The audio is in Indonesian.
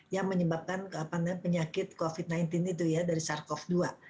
yang menyebabkan penyakit covid sembilan belas itu ya dari sars cov dua